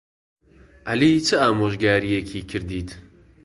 عەلی چ ئامۆژگارییەکی کردیت؟